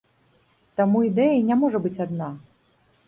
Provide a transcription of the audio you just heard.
Таму ідэя не можа быць адна.